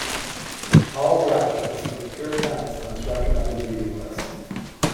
Paul Gravett listed "Pure Trance" on his recommended reading list.